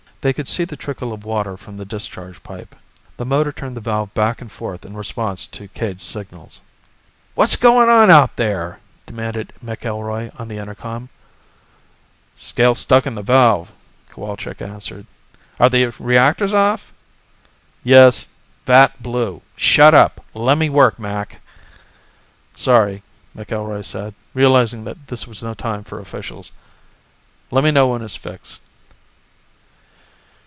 They could see the trickle of water from the discharge pipe. The motor turned the valve back and forth in response to Cade's signals. "What's going on out there?" demanded McIlroy on the intercom. "Scale stuck in the valve," Cowalczk answered. "Are the reactors off?" "Yes. Vat blew. Shut up! Let me work, Mac!" "Sorry," McIlroy said, realizing that this was no time for officials. "Let me know when it's fixed."